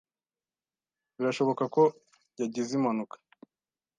Birashoboka ko yagize impanuka.